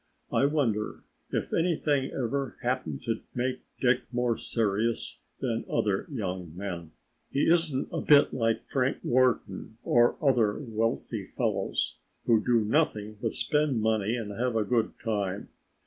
I wonder if anything ever happened to make Dick more serious than other young men? He isn't a bit like Frank Wharton or other wealthy fellows who do nothing but spend money and have a good time.